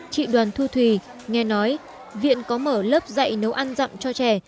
chị đoàn thu thủy nghe nói viện có mở lớp dạy nấu ăn dặm cho trẻ